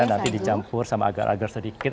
nanti dicampur sama agar agar sedikit